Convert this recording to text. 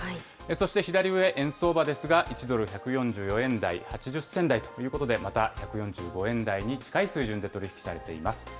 そして左上、円相場ですが、１ドル１４４円台、８０銭台ということで、また１４５円台に近い水準で取り引きされています。